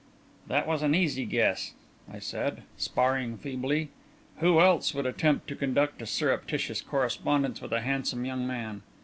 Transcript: "That was an easy guess," I said, sparring feebly. "Who else would attempt to conduct a surreptitious correspondence with a handsome young man?"